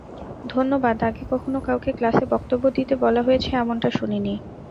ধন্যবাদ আগে কখনও কাউকে ক্লাসে বক্তব্য দিতে বলা হয়েছে, এমনটা শুনিনি।